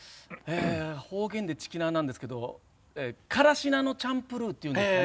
方言でチキナーなんですがからし菜のチャンプルーっていうんですかね。